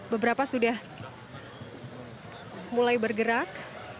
beberapa sudah mulai bergerak